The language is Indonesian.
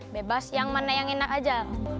bebas yang mana yang enak aja